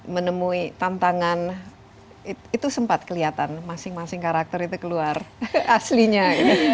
menemui tantangan itu sempat kelihatan masing masing karakter itu keluar aslinya